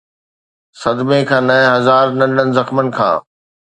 صدمي کان نه، هزار ننڍڙن زخمن کان.